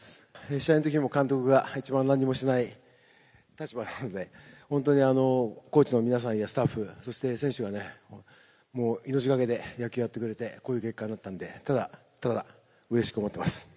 試合のときも監督が一番なんにもしない立場なので、本当にコーチの皆さんやスタッフ、そして選手がね、もう命懸けで野球やってくれて、こういう結果になったので、ただただ、うれしく思ってます。